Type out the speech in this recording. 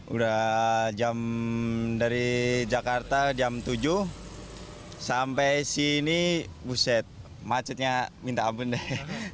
udah jam dari jakarta jam tujuh sampai sini buset macetnya minta ampun deh